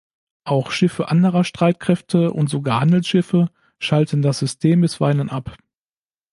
Auch Schiffe anderer Streitkräfte und sogar Handelsschiffe schalten das System bisweilen ab.